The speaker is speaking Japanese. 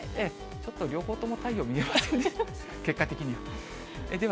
ちょっと両方とも太陽見えませんね、結果的には。